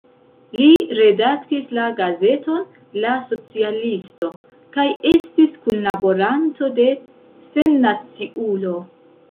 Li redaktis la gazeton "La Socialisto" kaj estis kunlaboranto de "Sennaciulo.